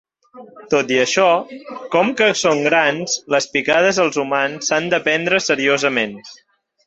Tot i això, com que són grans, les picades als humans s"han de prendre seriosament.